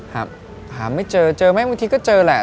หาไม่เจอเจอไหมบางทีก็เจอแหละ